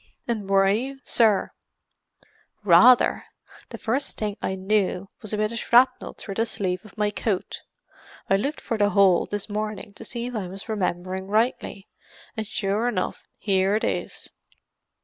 "And were you, sir?" "Rather. The first thing I knew was a bit of shrapnel through the sleeve of my coat; I looked for the hole this morning, to see if I was remembering rightly, and sure enough, here it is."